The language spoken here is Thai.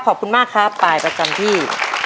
ขอบคุณมากครับป่ายประจำที่